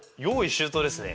周到ですね。